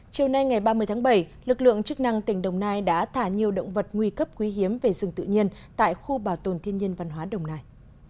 chiều nay ngày ba mươi tháng bảy lực lượng chức năng tỉnh đồng nai đã thả nhiều động vật nguy cấp quý hiếm về rừng tự nhiên tại khu bảo tồn thiên nhiên văn hóa đồng nai